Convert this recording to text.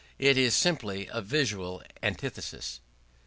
It is simply a visual antithesis.